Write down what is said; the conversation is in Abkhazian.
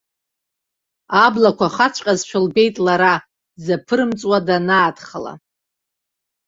Аблақәа ахаҵәҟьазшәа лбеит лара дзаԥырымҵуа данаадхала.